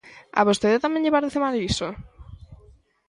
¿A vostede tamén lle parece mal iso?